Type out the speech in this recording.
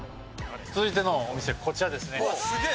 続いてのお店、こちらですね